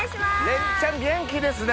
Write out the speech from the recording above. れにちゃん元気ですね。